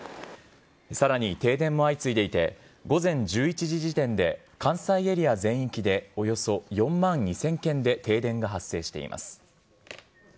さらに停電も相次いでいて、午前１１時時点で、関西エリア全域でおよそ４万２０００軒で停電が発生しています。